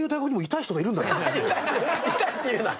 痛いって言うな。